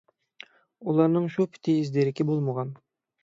ئۇلارنىڭ شۇ پېتى ئىز-دېرىكى بولمىغان.